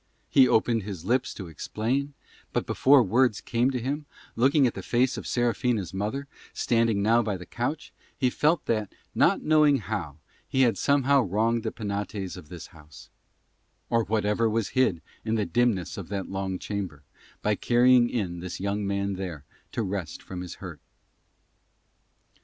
He opened his lips to explain; but before words came to him, looking at the face of Serafina's mother, standing now by the couch, he felt that, not knowing how, he had somehow wronged the Penates of this house, or whatever was hid in the dimness of that long chamber, by carrying in this young man there to rest from his hurt.